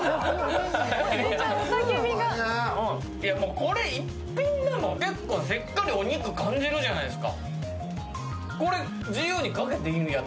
これ一品でも結構しっかりお肉感じるじゃないですか。